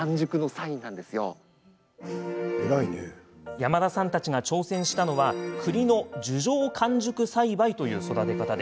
山田さんたちが挑戦したのはくりの樹上完熟栽培という育て方。